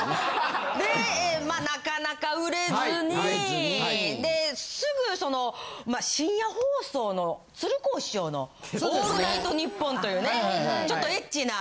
でなかなか売れずにですぐその深夜放送の鶴光師匠の。というねちょっとエッチな。